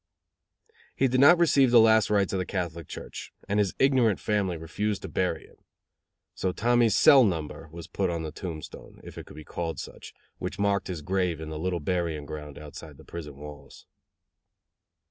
He did not receive the last rites of the Catholic Church, and his ignorant family refused to bury him. So Tommy's cell number was put on the tombstone, if it could be called such, which marked his grave in the little burying ground outside the prison walls.